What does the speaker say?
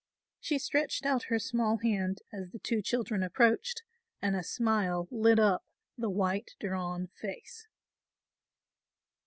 She stretched out her small hand as the two children approached and a smile lit up the white drawn face.